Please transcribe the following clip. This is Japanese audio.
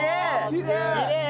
きれい！